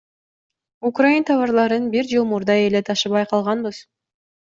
Украин товарларын бир жыл мурда эле ташыбай калганбыз.